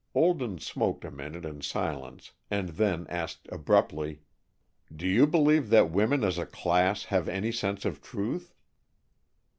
Olden smoked a minute in silence, and then asked abruptly, "Do you believe that women as a class have any sense of truth?"